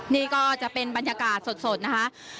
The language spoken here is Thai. นี่ก็จะเป็นบรรยากาศสดนะคะ